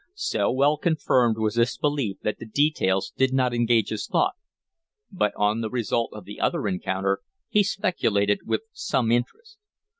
So well confirmed was this belief that the details did not engage his thought; but on the result of the other encounter he speculated with some interest.